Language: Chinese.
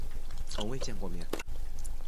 从未见过面